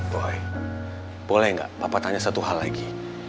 boy boleh gak papa tanya satu hal lagi